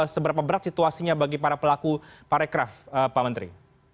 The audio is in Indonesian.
seberapa berat situasinya bagi para pelaku parekraf pak menteri